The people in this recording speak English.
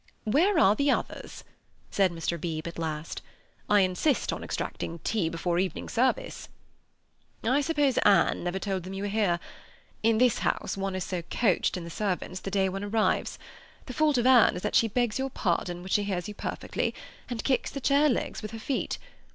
"Where are the others?" said Mr. Beebe at last, "I insist on extracting tea before evening service." "I suppose Anne never told them you were here. In this house one is so coached in the servants the day one arrives. The fault of Anne is that she begs your pardon when she hears you perfectly, and kicks the chair legs with her feet.